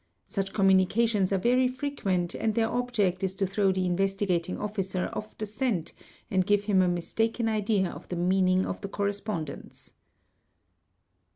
Such communications are very frequent and their object is to throw the . Investigating Officer off the scent and give him a mistaken idea of the neaning of the correspondence.